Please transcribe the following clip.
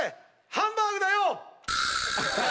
ハンバーグだよ！」